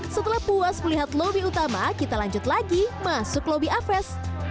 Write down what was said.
setelah puas melihat lobi utama kita lanjut lagi masuk ke lobi aves